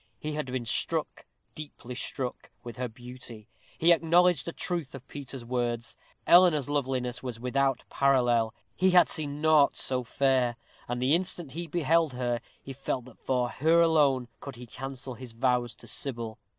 He had been struck, deeply struck, with her beauty. He acknowledged the truth of Peter's words. Eleanor's loveliness was without parallel. He had seen naught so fair, and the instant he beheld her, he felt that for her alone could he cancel his vows to Sybil.